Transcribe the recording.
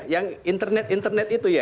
yang internet internet itu ya